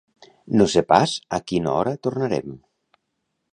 No sé pas a quina hora tornarem